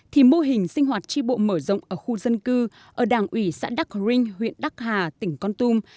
thì mô hình sinh hoạt tri bộ mở rộng ở khu dân cư ở đảng ủy xã đắc rinh huyện đắc hà tỉnh con tum